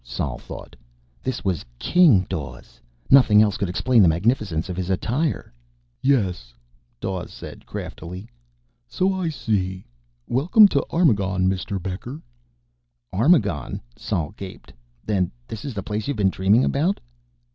_ Sol thought. This was King Dawes; nothing else could explain the magnificence of his attire. "Yes," Dawes said craftily. "So I see. Welcome to Armagon, Mr. Becker." "Armagon?" Sol gaped. "Then this is the place you've been dreaming about?"